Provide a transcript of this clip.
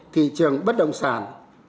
thị trường bất động sản